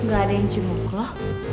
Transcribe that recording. gak ada yang cemuk lo